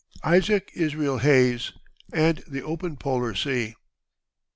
ISAAC ISRAEL HAYES, AND THE OPEN POLAR SEA.